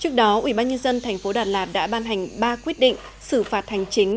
trước đó ubnd tp đà lạt đã ban hành ba quyết định xử phạt hành chính